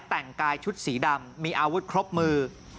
แต่งกายชุดสีดำมีอาวุธครบมือ